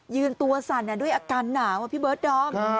ยืนตัวสั่นด้วยอาการหนาวอะพี่เบิร์ดดอม